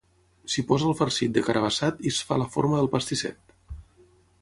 S'hi posa el farcit de carabassat i es fa la forma del pastisset.